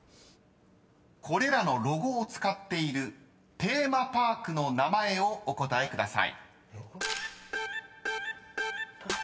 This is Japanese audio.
［これらのロゴを使っているテーマパークの名前をお答えください］